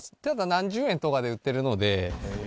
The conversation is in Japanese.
何十円とかで売ってるので。